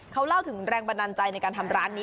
เขาเล่าถึงแรงบันดาลใจในการทำร้านนี้